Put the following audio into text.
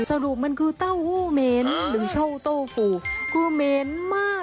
สรุปมันคือเต้าหู้เหม็นหรือเช่าเต้าหูคือเหม็นมาก